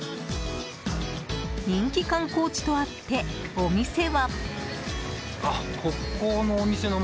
人気観光地とあって、お店は。